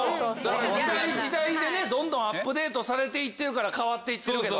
時代時代でどんどんアップデートされて行ってるから変わって行ってるけど。